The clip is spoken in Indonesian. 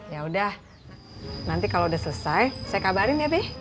yaudah nanti kalau udah selesai saya kabarin ya be